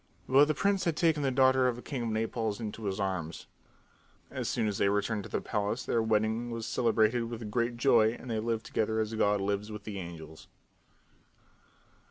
But the prince had taken the daughter of the king of Naples in his arms. As soon as they returned to the palace their wedding was celebrated with great joy and they lived together as God lives with the angels.